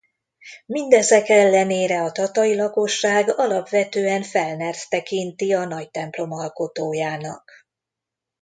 Mindezek ellenére a tatai lakosság alapvetően Fellnert tekinti a nagytemplom alkotójának.